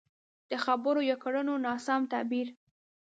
د خبرو يا کړنو ناسم تعبير.